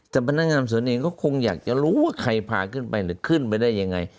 แต่พนักงานสวนเองก็คงอยากจะรู้ว่าใครพาขึ้นไปหรือขึ้นไปได้ยังไง